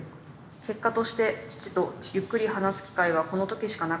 結果として父とゆっくり話す機会はこの時しかなかった。